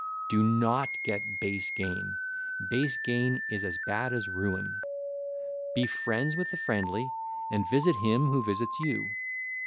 (ll. 352 369) Do not get base gain: base gain is as bad as ruin. Be friends with the friendly, and visit him who visits you.